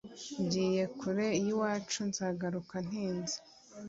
ngiye kure yiwacu nzagaruka ntinze